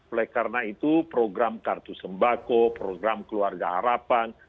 oleh karena itu program kartu sembako program keluarga harapan